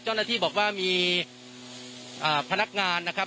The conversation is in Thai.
เจ้าหน้าที่บอกว่ามีพนักงานนะครับ